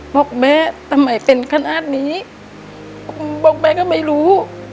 บอกแม่ทำไมเป็นขนาดนี้บอกแม่ก็ไม่รู้